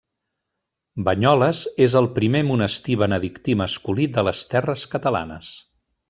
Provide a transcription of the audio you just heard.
Banyoles és el primer monestir benedictí masculí de les terres catalanes.